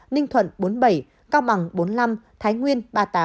ninh thuận bốn mươi bảy cao bằng bốn mươi năm thái nguyên ba mươi tám